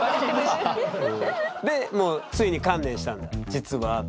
でついに観念したんだ「実は」って。